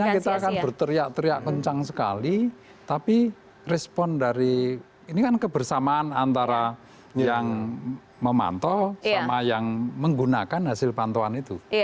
karena kita akan berteriak teriak kencang sekali tapi respon dari ini kan kebersamaan antara yang memantau sama yang menggunakan hasil pantauan itu